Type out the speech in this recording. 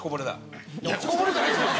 落ちこぼれじゃないですよ。